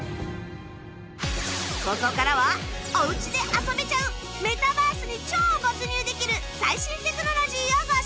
ここからはお家で遊べちゃうメタバースに超没入できる最新テクノロジーをご紹介！